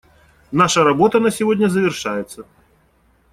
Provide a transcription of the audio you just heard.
Наша работа на сегодня завершается.